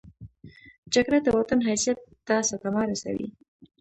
جګړه د وطن حیثیت ته صدمه رسوي